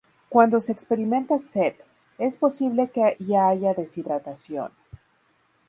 Cuando se experimenta sed, es posible que ya haya deshidratación.